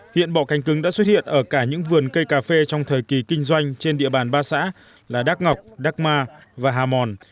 hiện bọ cánh cứng đã xuất hiện ở cả những vườn cây cà phê trong thời kỳ kinh doanh trên địa bàn ba xã là đắc ngọc đắc ma và hà mòn